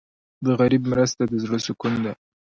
د غریب مرسته د زړه سکون ده.